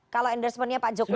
kalau endorsement nya pak jokowi